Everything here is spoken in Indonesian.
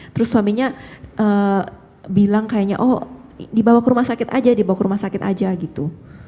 terus suaminya bilang kayaknya oh dibawa ke rumah sakit aja dibawa ke rumah sakit aja gitu